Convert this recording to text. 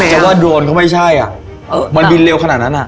แต่ว่าโดรนก็ไม่ใช่มันวิ่งเร็วขนาดนั้น